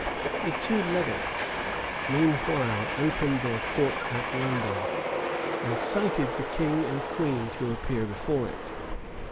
The two legates, meanwhile, opened their court at London, and cited the king and queen to appear before it.